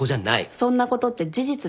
そんなことって事実でしょ。